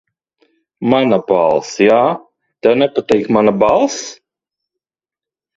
Mana balss, ja? Tev nepatīk mana balss.